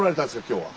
今日は。